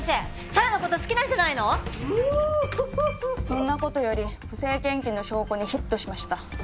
そんな事より不正献金の証拠にヒットしました。